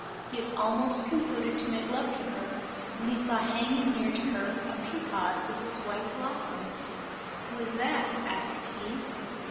He had almost concluded to make love to her, when he saw hanging near to her, a pea pod with its white blossom. "Who is that?" asked he.